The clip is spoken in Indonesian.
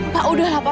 pak udah lah pak